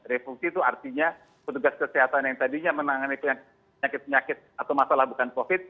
refungsi itu artinya petugas kesehatan yang tadinya menangani penyakit penyakit atau masalah bukan covid